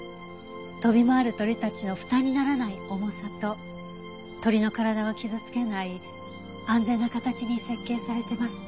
飛び回る鳥たちの負担にならない重さと鳥の体を傷つけない安全な形に設計されてます。